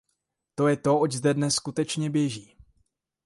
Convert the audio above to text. To je to, oč zde dnes skutečně běží.